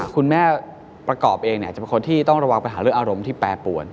คุณแม่ประกอบเองจะเป็นคนที่ต้องระวังปัญหาเรื่องอารมณ์ที่แปรปวน